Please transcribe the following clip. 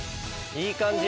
いい感じ。